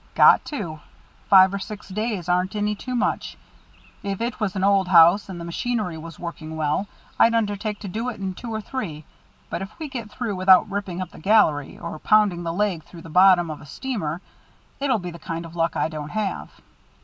"Got to. Five or six days aren't any too much. If it was an old house and the machinery was working well, I'd undertake to do it in two or three, but if we get through without ripping up the gallery, or pounding the leg through the bottom of a steamer, it'll be the kind of luck I don't have."